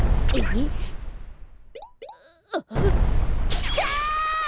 きた！